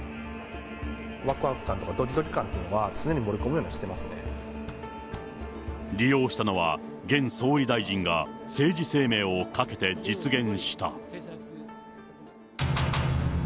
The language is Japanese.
わくわく感とかドキドキ感っていうのは、常に盛り込むように利用したのは、現総理大臣が政治生命を懸けて実現した。